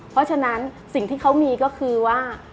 เพราะฉะนั้นสิ่งที่เขามีก็คือว่า